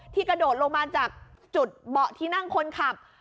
กระโดดลงมาจากจุดเบาะที่นั่งคนขับ